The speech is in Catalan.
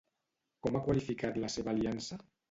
Com ha qualificat la seva aliança?